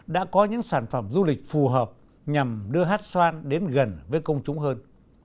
đã có những sản phẩm du lịch phù hợp nhằm đưa hát xoan đến gần với công chúng hơn